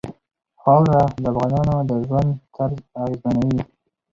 خاوره د افغانانو د ژوند طرز اغېزمنوي.